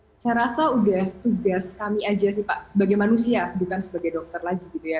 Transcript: saya rasa udah tugas kami aja sih pak sebagai manusia bukan sebagai dokter lagi gitu ya